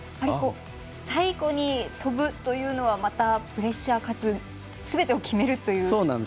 最後に飛ぶというのはまたプレッシャーかつすべてを決めるという。